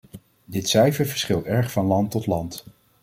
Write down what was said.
Dit cijfer verschilt erg van land tot land.